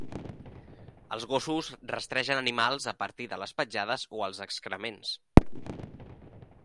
Els gossos rastregen animals a partir de les petjades o els excrements.